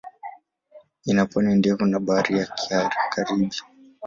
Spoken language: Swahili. Ina pwani ndefu na Bahari ya Karibi.